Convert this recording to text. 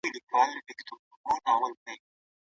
روښانه فکر د ژوند پر ستونزو برلاسی کیږي.